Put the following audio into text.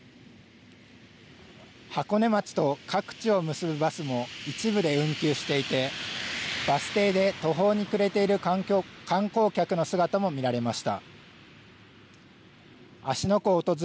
箱根町と各地を結ぶバスも一部で運休していてバス停で途方に暮れている観光客の姿も見られました。